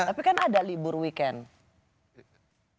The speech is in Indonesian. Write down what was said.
tapi kan ada libur weekend